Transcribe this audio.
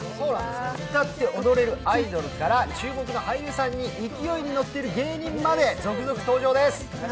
歌って踊れるアイドルから注目の俳優さんに勢いにのってる芸人まで続々登場です。